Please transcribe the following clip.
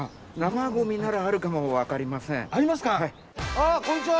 あこんにちは！